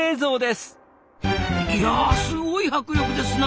いやすごい迫力ですな。